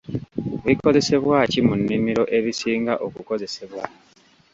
Bikozesebwa ki mu nnimiro ebisinga okukozesebwa?